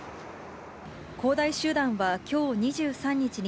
恒大集団は、きょう２３日に、